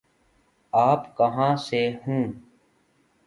آپ کہاں سے ہوں؟